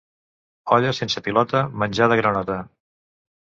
Olla sense pilota, menjar de granota.